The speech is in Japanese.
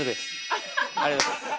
ありがとうございます。